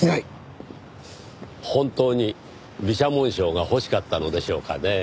本当に美写紋賞が欲しかったのでしょうかねぇ。